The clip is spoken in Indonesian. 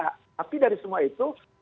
tapi dari semua itu